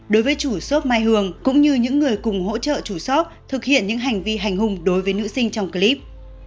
đối với chủ shop mai hường cũng như những người cùng hỗ trợ chủ shop thực hiện những hành vi hành hung đối với nữ sinh trong clip